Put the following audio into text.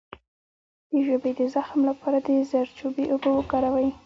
د ژبې د زخم لپاره د زردچوبې اوبه وکاروئ